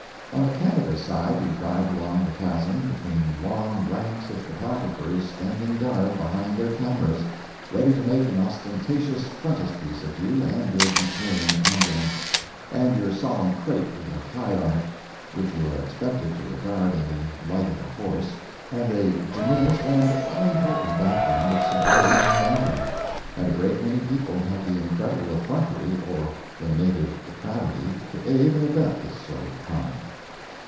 On the Canada side you drive along the chasm between long ranks of photographers standing guard behind their cameras, ready to make an ostentatious frontispiece of you and your decaying ambulance, and your solemn crate with a hide on it, which you are expected to regard in the light of a horse, and a diminished and unimportant background of sublime Niagara; and a great many people have the incredible effrontery or the native depravity to aid and abet this sort of crime.